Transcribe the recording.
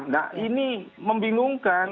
nah ini membingungkan